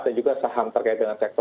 dan juga saham terkait dengan sektor